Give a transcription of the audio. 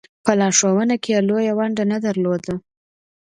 په لارښوونه کې یې لویه ونډه نه درلوده.